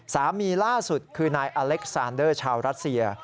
สามีล่าสุดคือนายอเล็กซานเดอร์ชาวรัสเซีย